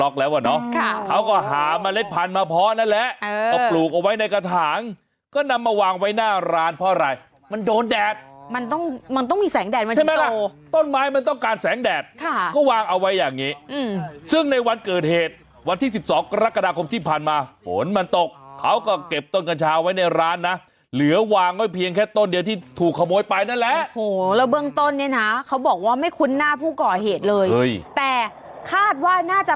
โอ้โฮโอ้โฮโอ้โฮโอ้โฮโอ้โฮโอ้โฮโอ้โฮโอ้โฮโอ้โฮโอ้โฮโอ้โฮโอ้โฮโอ้โฮโอ้โฮโอ้โฮโอ้โฮโอ้โฮโอ้โฮโอ้โฮโอ้โฮโอ้โฮโอ้โฮโอ้โฮโอ้โฮโอ้โฮโอ้โฮโอฮโอ้โฮโอฮโอ้โฮโอ้โฮโอฮโอ